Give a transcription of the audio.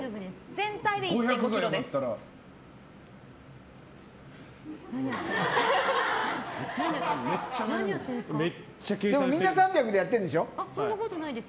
全体で１．５ｋｇです。